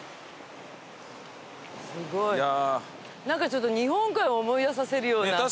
何かちょっと日本海を思い出させるような。